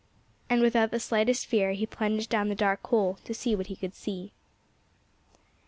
And without the slightest fear he plunged down the dark hole, to see what he could see.